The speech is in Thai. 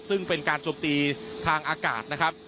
ซึ่งเป็นการจมตีทางอากาศนะครับ